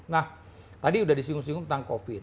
nah tadi sudah disinggung singgung tentang covid